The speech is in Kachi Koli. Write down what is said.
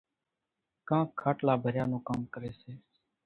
ڪانڪ کاٽلا ڀريا نون ڪام ڪريَ سي۔